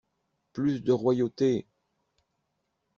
Plus de royauté!